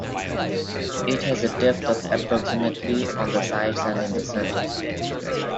It has a depth of approximately on the sides and in the center.